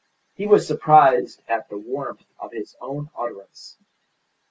He was surprised at the warmth of his own utterance.